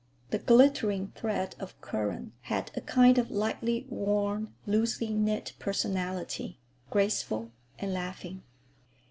The glittering thread of current had a kind of lightly worn, loosely knit personality, graceful and laughing.